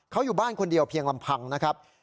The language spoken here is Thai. เขาอยู่บ้านคนเดียวเพียงลำพังนะครับ